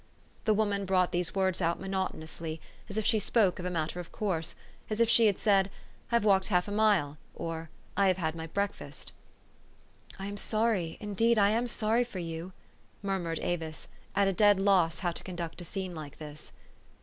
The woman brought these words out monotonous ly, as if she spoke of a matter of course ; as if she had said, I've walked half a mile, or I have had my breakfast. " I am sorry, indeed I am sorry for you," mur mured Avis, at a dead loss how to conduct a scene like this.